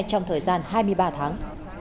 trong thời gian hai mươi ba tháng